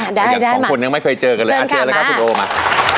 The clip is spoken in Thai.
อย่าง๒คนยังไม่เคยเจอกันเลยเจอแล้วคุณโอมา